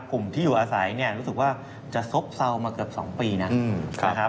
กลุ่มที่อยู่อาศัยรู้สึกว่าจะโซ่บเซามาเกือบ๒ปีนะ